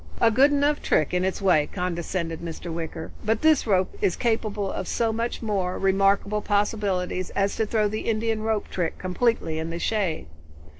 "A good enough trick, in its way," condescended Mr. Wicker, "but this rope is capable of so much more remarkable possibilities as to throw the Indian rope trick completely in the shade."